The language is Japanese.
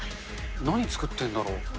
何作ってるんだろう。